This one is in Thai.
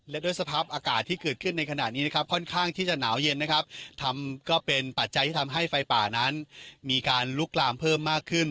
และด้วยสภาพอากาศที่เกิดขึ้นในขณะนี้นะครับค่อนข้างที่จะหนาวเย็นนะครับทำก็เป็นปัจจัยที่ทำให้ไฟป่านั้นมีการลุกลามเพิ่มมากขึ้น